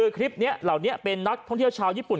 คลิปนี้เหล่านี้เป็นนักท่องเที่ยวชาวญี่ปุ่น